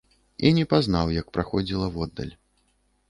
І не пазнаў, як праходзіла воддаль.